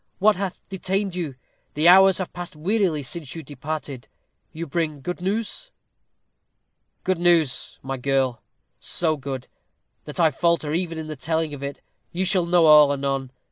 "What hath detained you? The hours have passed wearily since you departed. You bring good news?" "Good news, my girl; so good, that I falter even in the telling of it. You shall know all anon.